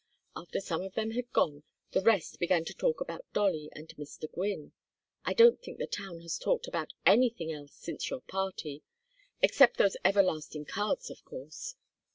After some of them had gone, the rest began to talk about Dolly and Mr. Gwynne I don't think the town has talked about anything else since your party except those everlasting cards, of course.